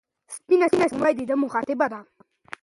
سپینه سپوږمۍ د ده مخاطبه ده.